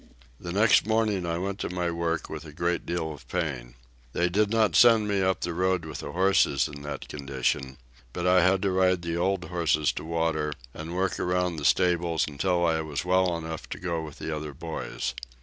The next morning I went to my work with a great deal of pain. They did not send me up the road with the horses in that condition, but I had to ride the old horses to water, and work around the stable until I was well enough to go with the other boys.